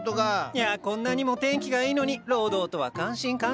いやあこんなにも天気がいいのに労働とは感心感心。